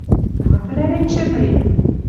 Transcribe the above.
Ма тӹлӓнет чӹдӹ лин?